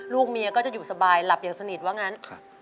ลูกเมียก็จะอยู่สบายหลับอย่างสนิทว่างั้น